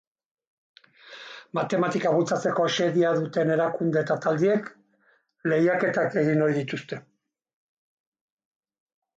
Matematika bultzatzeko xedea duten erakunde eta taldeek lehiaketak egin ohi dituzte.